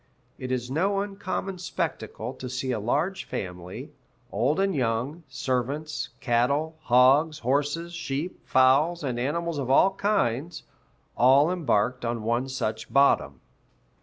"It is no uncommon spectacle to see a large family, old and young, servants, cattle, hogs, horses, sheep, fowls, and animals of all kinds," all embarked on one such bottom.